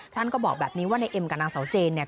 ท่านก็บอกแบบนี้ว่านายเอ็มกับนางสาวเจน